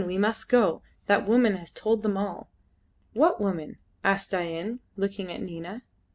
we must go. That woman has told them all!" "What woman?" asked Dain, looking at Nina.